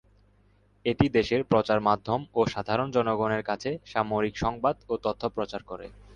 এটি দেশের প্রচার মাধ্যম ও সাধারণ জনগণের কাছে সামরিক সংবাদ ও তথ্য প্রচার করে।